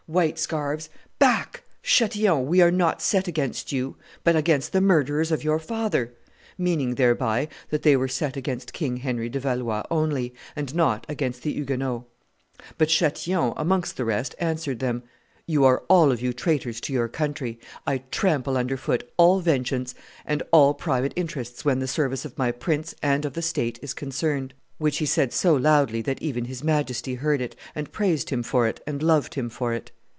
white scarfs; back! Chatillon: we are not set against you, but against the murderers of your father!' meaning thereby that they were set against King Henry de Valois only, and not against the Huguenots. But Chatillon, amongst the rest, answered them, 'You are all of you traitors to your country: I trample under foot all vengeance and all private interests when the service of my prince and of the state is concerned; 'which he said so loudly that even his Majesty heard it, and praised him for it, and loved him for it."